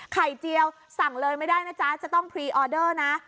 เจียวสั่งเลยไม่ได้นะจ๊ะจะต้องพรีออเดอร์นะ